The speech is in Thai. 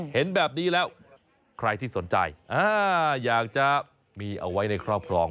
เห็นแบบนี้แล้วใครที่สนใจอยากจะมีเอาไว้ในครอบครอง